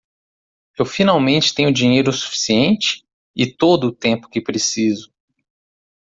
Eu finalmente tenho dinheiro suficiente? e todo o tempo que preciso.